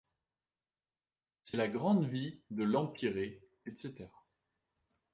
C’est la grande vie de l’empyrée. Etc.